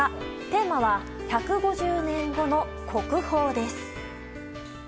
テーマは「１５０年後の国宝展」です。